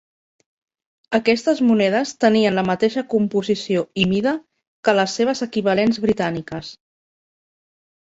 Aquestes monedes tenien la mateixa composició i mida que les seves equivalents britàniques.